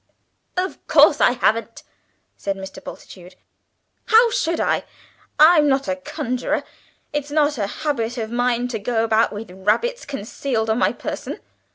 "Of course I haven't!" said Mr. Bultitude. "How should I? I'm not a conjurer. It's not a habit of mine to go about with rabbits concealed on my person.